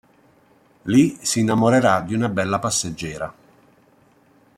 Lì si innamorerà di una bella passeggera.